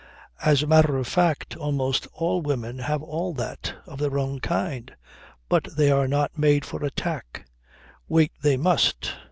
As a matter of fact, almost all women have all that of their own kind. But they are not made for attack. Wait they must.